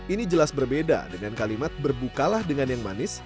ini jelas berbeda dengan kalimat berbukalah dengan yang manis